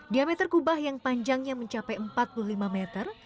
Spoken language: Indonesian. diameter kubah yang panjangnya mencapai empat puluh lima meter